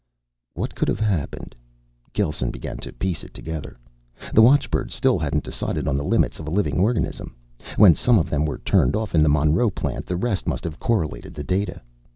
What could have happened? Gelsen began to piece it together. The watchbirds still hadn't decided on the limits of a living organism. When some of them were turned off in the Monroe plant, the rest must have correlated the data.